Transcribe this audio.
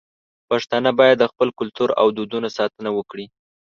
پښتانه بايد د خپل کلتور او دودونو ساتنه وکړي.